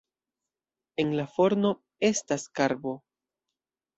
En la forno estas karbo.